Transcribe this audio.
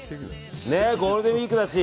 ゴールデンウィークだし。